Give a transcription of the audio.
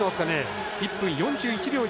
１分４１秒１９。